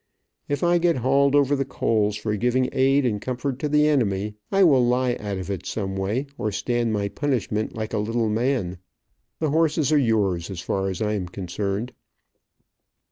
If I get hauled over the coals for giving aid and comfort to the enemy, I will lie out of it some way, or stand my punishment like a little man. The horses are yours, as far as I am concerned."